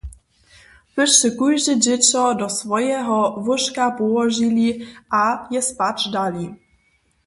Wy sće kóžde dźěćo do swojeho łóžka połožili a je spać dali.